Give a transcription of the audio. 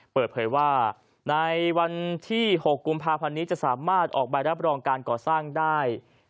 เปิดเผยว่าในวันที่๖กุมภาพันธ์นี้จะสามารถออกใบรับรองการก่อสร้างได้